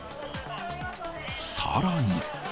さらに。